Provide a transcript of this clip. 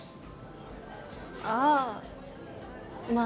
ああまあ。